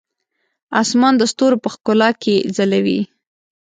اسمان د ستورو په ښکلا کې ځلوي.